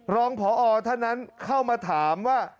รองพอท่านนั้นเข้ามาถามว่า